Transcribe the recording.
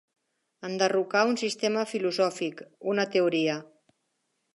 Enderrocar un sistema filosòfic, una teoria.